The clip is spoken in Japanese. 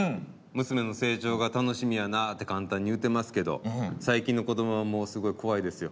「娘の成長が楽しみやな」って簡単に言うてますけど最近の子どもはもうすごい怖いですよ。